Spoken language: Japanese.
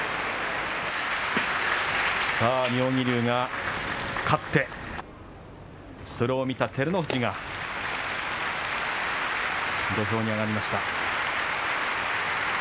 さあ、妙義龍が勝って、それを見た照ノ富士が土俵に上がりました。